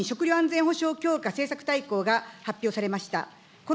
昨年末に食料安全保障強化政策大綱が発表されました。